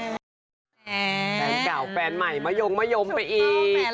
แฟนเก่าแฟนใหม่มะยงมะยมไปอีก